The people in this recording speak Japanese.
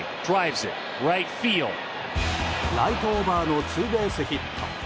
ライトオーバーのツーベースヒット。